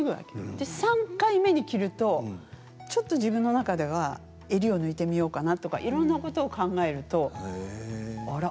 で、３回目に着るとちょっと自分の中では襟を抜いてみようかなとかいろんなこと考えるとあら？